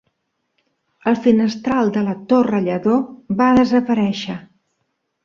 El finestral de la torre Lledó va desaparèixer.